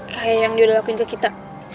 kayak yang dia udah lakuin ke kita